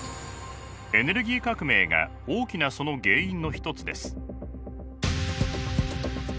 エネルギー革命が大きなその原因の一つです。